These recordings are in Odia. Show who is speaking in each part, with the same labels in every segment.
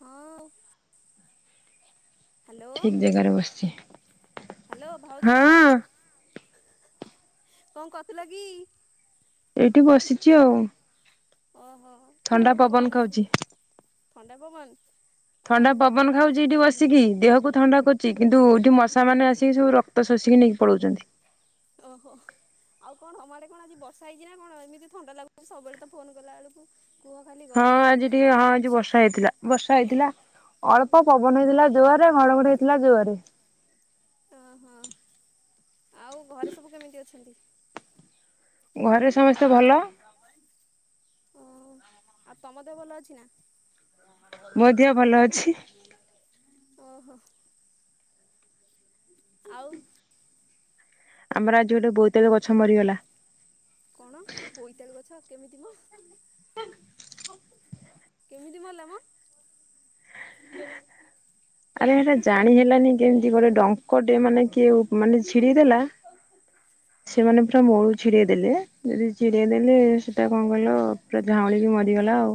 Speaker 1: ହଁ ଉ।
Speaker 2: ଠିକ୍ ଜାଗାରେ ବସିଚି।
Speaker 1: ହ୍ୟାଲୋ ଭାଉଜ କଣ କରଥିଲ କି?
Speaker 2: ଏଇଠି ବସିଛି ଆଉ
Speaker 1: ଓହୋ
Speaker 2: ଥଣ୍ଡା
Speaker 1: ଆଉ କଣ
Speaker 2: ପବନ ଖାଉଛି।
Speaker 1: ଥଣ୍ଡା ପବନ ଆଉ
Speaker 2: ଥଣ୍ଡା ପବନ ଖାଉଛି ଏଇଠି ବସି। ଆସିକି ଦେହକୁ ଥଣ୍ଡା କରୁଛି କିନ୍ତୁଠଉ ମଶା ମାନେ ଆସିକି ସବୁ ରକ୍ତ ଶୋଷିକି ନେଇକି ପଳଉଛନ୍ତି।
Speaker 1: ଓହୋ। ଆଉ କଣ ହମ କଣ ଆଜି ବର୍ଷା ହେଇଛି ନା କଣ ଏମିତି ଥଣ୍ଡା ଲାଗୁଛି? ସବୁବେଳେ ତ ଫୋନ କଲା ବେଳକୁ। କୁହ ଖାଲି
Speaker 2: ହଁ
Speaker 1: ଗରମ
Speaker 2: ଆଜି
Speaker 1: ଲାଗୁଛି
Speaker 2: ଟିକେ
Speaker 1: ଗରମ
Speaker 2: ହଁ ଆଜି
Speaker 1: ଲାଗୁଛି।
Speaker 2: ବର୍ଷା ହେଇଥିଲା। ବର୍ଷା ହେଇଥିଲା ଅଳ୍ପ ପବନ ହେଇଥିଲା ଜୋଆରେ ଘଡଘଡି ହେଇଥିଲା ଜୋଆରେ
Speaker 1: ଓହଁ ଆଉ ଘରେ ସବୁ କେମିତି ଅଛନ୍ତି?
Speaker 2: ଘରେ ସମସ୍ତେ ଭଲ।
Speaker 1: ଓ ଆଉ ତମ ଦେହ ଭଲ ଅଛି ନା।
Speaker 2: ବୋ ଦେିହଅ ଭଲ ଅଛି।
Speaker 1: ଓହୋ। ଆଉ
Speaker 2: ଆମର ଆଜି ଗୋଟେ ବହୁତକ ଗଛ ମରିଗଲା।
Speaker 1: କଣ ବୋଇତାଳୁ ଗଛ କେମିତି ମ କେମିତି ମଲାମ?
Speaker 2: ଆରେ ଏଟା ଜାଣି ହେଲାନି କେମିତି ଗୋଟେ ଡଙ୍କ ଟେ ମାନେ କିଏ ମାନେ ଛିଡିଦେଲା।
Speaker 1: ହିଁ।
Speaker 2: ସେମାନେ ପୁରା ମଳ ଛିଡେଇ ଦେଲେ, ଯଦି ଛିଡେଇ ଦେଲେ ସେଟା କଣ କଲ ପା ଝାଉଁଳିକି ମରିଗଲା ଆଉ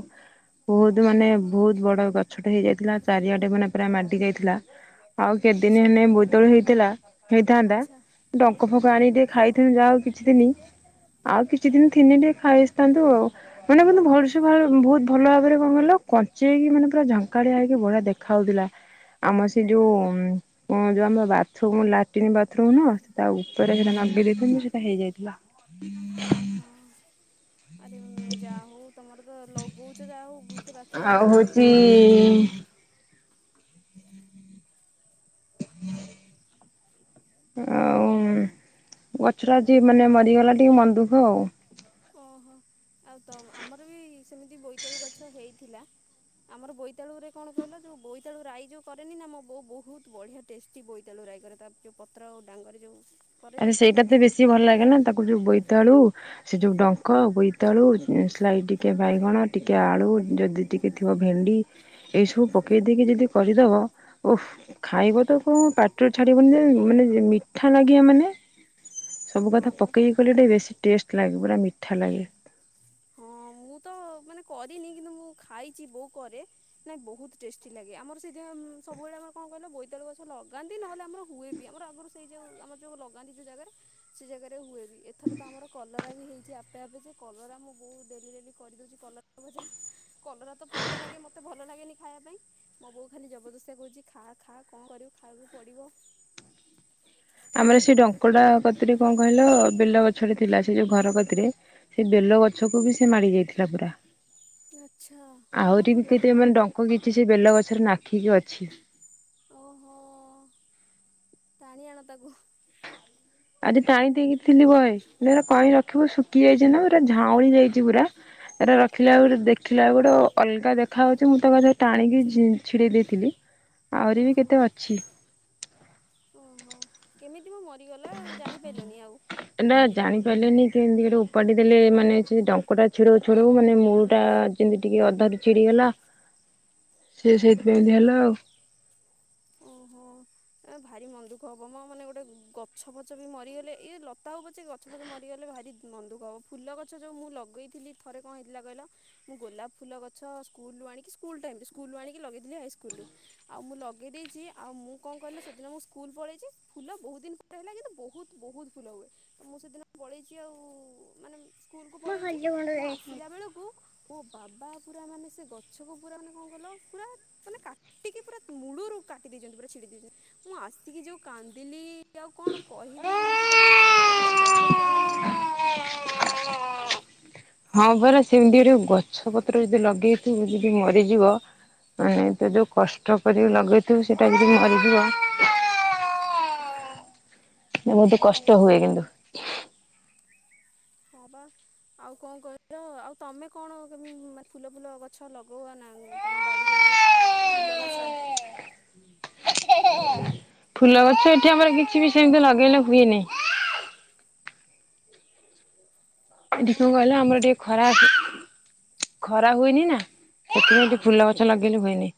Speaker 2: ବହୁତ ମାନେ
Speaker 1: ଓହୋ
Speaker 2: ବହୁତ ବଡ ଗଛଟେ ହେଇଯାଇଥିଲା ଚାରିଆଡେ ମାନେ ପୁରା ମାଟି ଯାଇଥିଲା ଆଉ କେତେଦିନ
Speaker 1: ଆଚ୍ଛା
Speaker 2: ହେଲେ ବୋଇତଳ ହେଇଥିଲା ହେଇଥାନ୍ତା।
Speaker 1: ଆଚ୍ଛା
Speaker 2: ଟଡଙ୍କ ଫଙ୍କ ଆଣିକିେ ଖାଇଥିନୁ ଯାହା ଆଉ କିଛି ଦିନ। ଆଉ କିଛି ଦିନ ଥିନି ଟିକେ ଖାଇ ଆସିଥାନ୍ତୁ ଆଉ। ମାନେ ବନ୍ତୁ ଭଲସ ଭ ବହୁତ ଭଲ ଭାବରେ କଣ କହିଲ କଞ୍ଚେଇକି ମାନେ ପୁରାଝଙ୍କାଡିଆ ହେଇକି ବଢିଆ ଦେଖ ହାଉଥିଲା। ଆମର ସେ ଯୋଉ ଯୋଉ ଆମର ବାଥରୁମ ଲାଟ୍ରିନ୍ ବାଥରୁମ ନ ସେ ତା
Speaker 1: ହଁ
Speaker 2: ଉପରେ
Speaker 1: ହଁ
Speaker 2: ସେଟ ରେ ସେଟା ହେଇଯାଇଥିଲା।
Speaker 1: ଅହୋ ଆରେ ଯହୁ ତମର ତ ଲଗଉଛ ଯାହାଉ ସେ ବାଥରୁମ ଫଥରୁ ରେ
Speaker 2: ଓ। ହଁ। ଆଉ ଗଛଟା ଯ ମାନେ ମରିଗଲା ଟିକେ ମନ୍ଦୁଖ ଆଉ।
Speaker 1: ଓହୋ। ଆଉ ତ ଆମର ବି ସେମିତି ବୋଇତାଳୁ ଗଛ ହେଇଥିଲା। ଆମର ବୋଇତାୁରେ କଣ କହିଲା ଯୋଉ ବୋଇତାଳୁ ରାଇ ଯୋଉ କରେନି ନା ଆୋ ବୋଉ ବହୁତ ବଢିଆ ଟେଷ୍ଟି ବୋଇଥାଲୁ ରାଇଗର ତା ଯେଉ ପତ୍ର ଆଉ ଡାଙ୍ଗର ଯେଉ
Speaker 2: ଆରେ ସେଇଟା ତ ବେଶୀ ଭଲ ଲାଗେ ନା। ତାକୁ ଯୋଉ ବୋଇତାଳୁ ସେ ଯୋଉ ଡଙ୍କ ବୋଇତାଳୁ ସାଇ ଟିକେ ବାଇଗଣ ଟିକେ ଆଳୁ ଯଦି ଟିକେ ଥିବ ଭେଣ୍ଡି ଏଇ ସବୁ ପକେଇ ଦେଇକି ଯଦି କରିଦବ ଓହ। ଖାଇବ ତ କଣ ପାଟିରେ ଛାଡିବନି ଯେ ମାନେ ମିଠା ଲାଗିବା ମାନେ ସବୁ କଥା
Speaker 1: ହଁ ବା
Speaker 2: ପକେଇକି ଗଲେ ଟିକେ ବେଶୀ ଟେଷ୍ଟ ଲାଗେ ପୁରା ମିଠା ଲାଗେ।
Speaker 1: ହଁ ମୁଁ ତ ମାନେ କରିନି କିନ୍ତୁ ମୁଁ ଖାଇଛି ବୋଉ କରେ। ନାଇଁ ବହୁତ ଟେଷ୍ଟି ଲାଗେ ଆମର ସେିନ ସବୁବେଳେ ଆମର କଣ କହିଲେ ବୋଇତଳୁ ଗଛ ଲଗାନ୍ତି। ନହଲେ ଆମର ହୁଏ ବି ଆମର ଆଗରୁ ସେଇ ଯୋଉ ଆମର ଯୋଉ ଲଗାନ୍ତି ଯୋଉ ଜାଗାରେ ସେ ଜାଗାରେ ହୁଏ। ଏଥର ତ ଆମର କଲରା ବି ହେଇଛି ଆପେ ଆପେ ଯେ କଲରା ବହୁ ଡେଲି ଡେଲି କରିଦଉଛି କଲର ଭଜା କଲରା ତ ପିତା ଲାଗେ ମତେ ଭଲ ଲାଗେନି ଖାଇବା ପାଇଁ। ମୋ ବୋଉ ଖାଲି ଜବରଦସ୍ତିଆ କହୁଚି ଖା ଖା କଣ କରିବୁ ଖାଇବାକୁ ପଡିବ।
Speaker 2: ଆମର ସେ ଡଙ୍କଡା କତିରେ କଣ କହିଲ ବେିଲ ଗଛ ଟେ ଥିଲା ସେ ଯୋଉ ଘର କତିରେ। ସେ ବେଲ ଗଛକୁ ବି ସେ ମାଡ଼ି ଯାଇଥିଲା ପୁରା।
Speaker 1: ଆଚ୍ଛା ମାନେ
Speaker 2: ଆହୁରି
Speaker 1: ବହୁତ
Speaker 2: ବି କେତେ
Speaker 1: ଲମ୍ବା।
Speaker 2: [unintelligible] କିଛି ସେ ବେଲ ଗଛରେ ନାଖିକି ଅଛି।
Speaker 1: ଓହୋ ଟାଣି ଆଣ ତାକୁ।
Speaker 2: ଆଜି ଟାଣି [unintelligible] ଥିଲି ବହେ ପୁରା କ ରଖିବୁ ଶୁଖି ଯାଇଚି ନା ପୁରା ଝାଉଳି ଯାଇଚି ପୁରା। ଏଟା ରଖିଲା ଗୋଟେ ଦେଖିଲାକୁ ଗୋଟେ ଅଲଗା ଦେଖାହେଉଚି ମୁଁ ତା [unintelligible] ଟାଣିକି ଛିଡେଇ ଦେଇଥିଲି। ଆହୁରି ବି
Speaker 1: ଓହୋ
Speaker 2: କେତେ ଅଛି।
Speaker 1: ଓହୋ। କେମିତି ମ ମରିଗଲା ଜାଣିପାଇଲନି ଆଉ।
Speaker 2: ସେ ଏମିତି ଗୋଟେ ଉପାଡ଼ି ଦେଲେ ମାନେ ସେ ଡଙ୍କଟା ଛିଡ଼ଉ ଛିଡ଼ଉ ମାନେ ମୁଳ ଟା ଯେମିତି ଟିକେ ଅଧାରୁ ଛିଡିଗଲା
Speaker 1: [unintelligible]
Speaker 2: ସି ସେଇଥିପାଇଁ ବିି ହେଲା ଆଉ।
Speaker 1: ଓହୋ। ଏ ଭାରି ମନ ଦୁଃଖ ହବ ମୋ ମାନେ ଗୋଟେ ଗଛ ପଛ ବି ମରିଗଲେ ଇ ଲତା ହଉ ପଚେ ଗ ଛ ଫଛ ମରିଗଲେ ଭାରି ମନ ଦୁଖ ହବ। ଫୁଲ ଗଛ ଯେଉଁ ମୁଁ ଲଗେଇଥିଲି ଥରେ କଣ ହେଇଥିଲା କହିଲ ମୁଁ ଗୋଲାପ ଫୁଲ ଗଛ ସ୍କୁଲୁ ଆଣିକି ସ୍କୁଲ୍ ଟାଇମ ସ୍କୁଲୁ ଆଣିକି ଲଗେଇଥିଲି ହାଇସ୍କୁଲରୁ। ଆଉ ମୁଁ ଲ ଗେଇ ଦେଇେଇଚି ଆଉ ମୁଁ କଣ କିଲ ସେଦିନ ମୁଁ ସ୍କୁଲ ପଳେଇଚି ଫୁଲ ବହୁତ ଦିନ ପ ହେଲା କିନ୍ତୁ ବହୁତ ବହୁତ ଫୁଲ ହୁଏ। ମୁଁ ସେଦିନ ପଳେଇଚି ଆଉ ମାନେ ସ୍କୁଲ କୁ ପଳେଇଛି ମୁଁ ଆସିଲା ବେଳକୁ ପୋ ବାବା ପୁରା ମାନେ ସେ ଗଛକୁ ପୁରା ମାନେ କଣ କଲ ପୁରା ମାନେ କାଟିକି ପୁରା ମଳୁ ରୁ କାଟି ଦେଇଚନ୍ତି ପୁରା ଛିଡି ଦେଇଚନ୍ତି ମୁଁ ଆସିକି ଯୋଉ କାନ୍ଦିଲି ଆଉ କଣ କହିବି ସେ ତ ବଡ ଆଉ କିଛି କହିହବନି।
Speaker 2: ହଁ ପରା ସେମିତି ଗୋଟେ ଗଛ ପତ୍ର ଯଦି ଲଗେଇଥିବ ଯଦି ମରିଯିବ ମାନେ ତୁ ଯୋଉ କଷ୍ଟ କରି ଲଗେଇଥିବୁ ସେଇଟା ଯଦି ମରିଯିବ
Speaker 1: [inaudible]
Speaker 2: ବହୁତ କଷ୍ଟ ହୁଏ କିନ୍ତୁ।
Speaker 1: ହ ବା। ଆଉ କଣ କଇଲ ଆଉ ତମେ କଣ କେମ ମାନେ ଫୁଲ ଫୁଲ ଗଛ ଲଗଉଅ ନା ତମ ବାଡ଼ିରେ ଫୁଲ ଗଛ
Speaker 2: ଫୁଲ ଗଛ ଏଠି ଆମର କିଛି ବି ସେମିତି ଲଗେଇଲେ ହୁଏନି। ଏଠି
Speaker 1: ଓହୋ
Speaker 2: କହିଲ
Speaker 1: ତମେ
Speaker 2: ଆମର
Speaker 1: କିଛି
Speaker 2: ଟିକେ ଖରା ଖରା ହୁଏନି ନା ସେଥିପାଇଁ ଏଠି ଫୁଲ ଗଛ ଲଗେଇଲେ ହୁଏନି।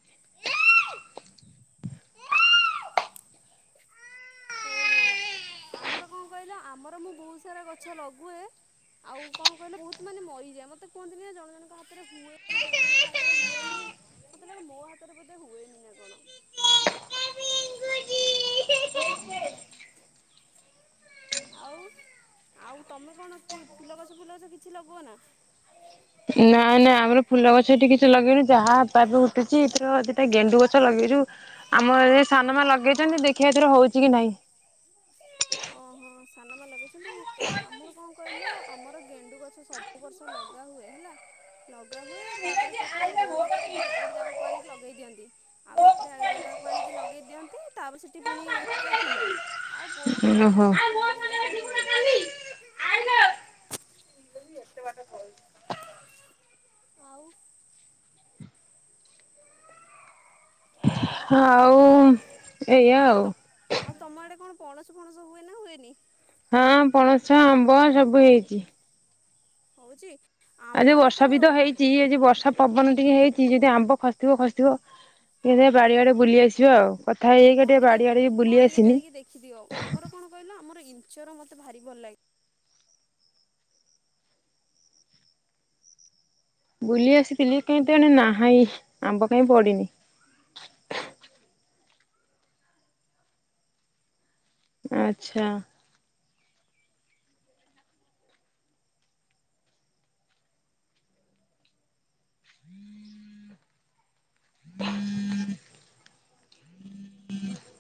Speaker 1: ଓହୋ ଆମର କଣ କହିଲ ଆମର ମୁଁ ବହୁତ ସାରା ଗଛ ଲଗୁଏ ଆଉ କଣ କହିଲେ ବହୁତ ମାନେ ମରିଯାଏ ମତେ କୁହନ୍ତିନି ନା ଜଣ ଜଣଙ୍କ ହାତରେ ହୁଏ ଜଣ ଜଣଙ୍କ ହାତରେ ହୁଏନି। ମତେ ଲାଗେ ମୋ ହାତରେ ବୋଧେ ହୁଏନି ନା କଣ? ଆଉ ଆଉ ତମେ କଣ କି ଫୁଲ ଗଛ ଫୁଲ ଗଛ କିଛି ଲଗୋଉନା।
Speaker 2: ନାଇଁ ନାଇଁ ଆମର ଫୁଲ ଗଛ ଏଠି କିଛି ଲଗେଇନୁ ଯାହାବି ଉଠୁଚି ଏଥିରୁ ଦିଟା ଗେଣ୍ଡୁ ଗଛ ଲଗେଇଚୁ ଆମର ଏଠି ସାନ ମା ଲଗେଇଚନ୍ତି ଦେଖିବା ଏଥିରେ ହେଉଚି କି ନାହିଁ।
Speaker 1: ଓହୋ। ସାନ ମା ଲଗେଇଚନ୍ତି କି? ଆମର କଣ କହିଲ ଆମର ଗେଣ୍ଡୁ ଗଛ ସବୁବର୍ଷ ଲଗା ହୁଏ ହେଲା। ଲଗାହୁଏ ତାପରେ ତାକୁ ରୋଇକି ଆଉ ଗୋଟେ ଜାଗାକୁ ଆଣିକି ଲଗେଇଦିଅନ୍ତି। ଆଉ ଗୋଟେ ଜାଗାକୁ ଆଣିକି ଲଗେଇ ଦିଅନ୍ତି ତାପରେ ସେଠି ପୁଣି ହୁଏ ଫୁଲ। ଆଉ ବୋହୁ
Speaker 2: ଓହୋ।
Speaker 1: କଲର୍ ର ଫୁଲଗୁଡ଼ା ସବୁ ହୁଏ। ଆଉ?
Speaker 2: ହଁ ଆଉ ଏଇଆ
Speaker 1: ଆରେ
Speaker 2: ଆଉ।
Speaker 1: ତ ଆଉ ତମ ଆଡେ କଣ ପଣସ ଫଣସ ହୁଏ ନା ହୁଏନେହିଁ?
Speaker 2: ହଁ ପଣସ ଆମ୍ବ ସବୁ ହେଇଚି।
Speaker 1: ହୋଉଚି ଆମ ଆଡେ ତ
Speaker 2: ଯି ଆଜି ବର୍ଷା ପବନ ଟିକେ ହେଇଚି ଯଦି ଆମ୍ବ ଖସିବ ଖସିବ। ଟିକିଏ ଦେଖିଆ ବାଡିଆଡେ ବୁଲି ଆସିବା ଆଉ କଥା ହେଇହେଇକା
Speaker 1: ହଁ
Speaker 2: ଟିକେ ବାଡି ଆଡେ
Speaker 1: ହଁ
Speaker 2: ବୁଲି
Speaker 1: ଟିକେ
Speaker 2: ଆସିନି।
Speaker 1: ଯାଇକି ଦେଖିଦିଅ ଆମର କଣ କହିଲ ଆମର ଇଞ୍ଚର ମତେ ଭାରି ଭଲ ଲାଗେ।
Speaker 2: ବୁଲି ଆସିଥିଲି କିନ୍ତୁ ଏଣେ ନାହାହିଁ ଆମ୍ବ କାହିଁକି ପଡିନି। ଆଛା। [inaudible]